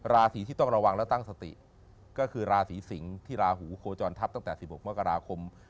ราศีที่ต้องระวังและตั้งสติก็คือราศีสิงศ์ที่ราหูโคจรทัพตั้งแต่๑๖มกราคม